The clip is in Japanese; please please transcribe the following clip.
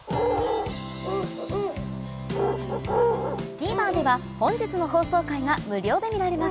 ＴＶｅｒでは本日の放送回が無料で見られます